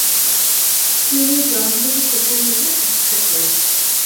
তিনি যন্ত্রটি সেখান থেকে উদ্ধার করেন।